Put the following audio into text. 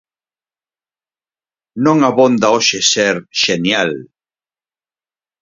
Non abonda hoxe ser "xenial".